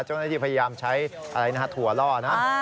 เจ้าหน้าที่พยายามใช้ถั่วล่อนะ